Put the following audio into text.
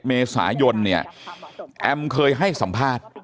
เมษายนเนี่ยแอมเคยให้สัมภาษณ์